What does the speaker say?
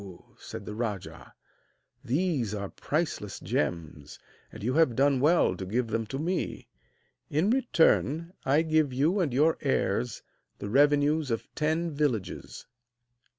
said the rajah, 'these are priceless gems, and you have done well to give them to me. In return I give you and your heirs the revenues of ten villages.'